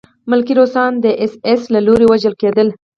ملکي روسان د اېس ایس له لوري وژل کېدل